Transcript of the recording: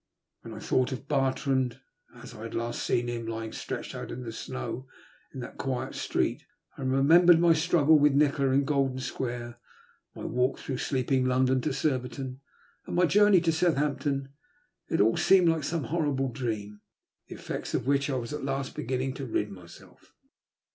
When I thought of Bartrand, as I had last seen him, lying stretched out in the snow in that quiet street, and remembered my struggle with Nikola in Golden Square,' my walk through sleeping London to Surbiton, and my journey to Southampton, it all seemed like some horrible dream, the effects of which I was at last beginning to rid myself.